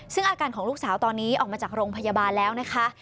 ซึ่งอาการของลูกสาวตอนนี้ออกมาจากโรงพยาบาลแล้วนะคะ